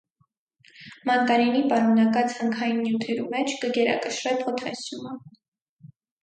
Մանտարինի պարունակած հանքային նիւթերու մէջ կը գերակշռէ փոթասիումը։